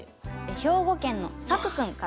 兵庫県のさくくんから。